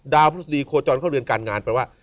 พฤษฎีโคจรเข้าเรือนการงานแปลว่า